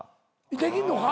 できんのか？